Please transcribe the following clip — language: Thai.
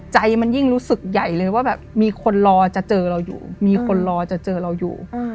ใจมันยิ่งรู้สึกใหญ่เลยว่าแบบมีคนรอจะเจอเราอยู่มีคนรอจะเจอเราอยู่